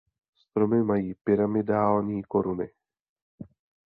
Stromy mají pyramidální koruny.